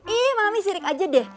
iya mami sirik aja deh